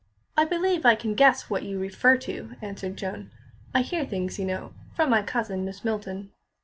"I believe I can guess what you refer to," answered Joan. "I hear things, you know, from my cousin, Miss Milton."